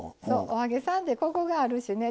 お揚げさんでコクがあるしね。